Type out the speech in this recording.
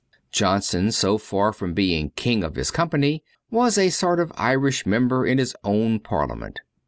Johnson, so far from being king of his company, was a sort of Irish Member in his own Parliament.